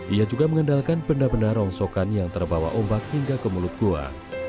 ia juga mengandalkan benda benda rongsokan yang terbawa ombak hingga ke mulut gua